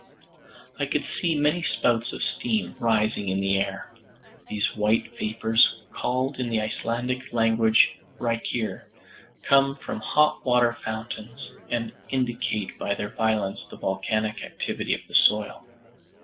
I could see many spouts of steam rising in the air. These white vapors, called in the Icelandic language "reykir," come from hot water fountains, and indicate by their violence the volcanic activity of the soil.